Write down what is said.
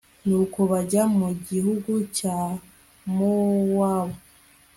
nuko bajya mu gihugu cya mowabu